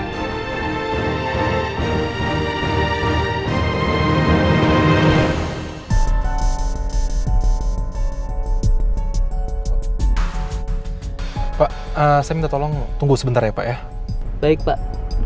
pak saya minta tolong tunggu sebentar ya pak ya baik pak